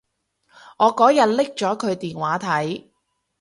我嗰日拎咗佢電話睇